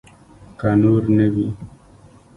که نور نه وي.